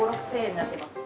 ５０００６０００円になってます。